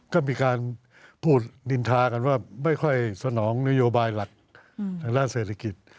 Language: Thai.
ก็มีการพูดนินทากันว่าไม่ค่อยสนองนโยบายหลักทางด้านเศรษฐกิจ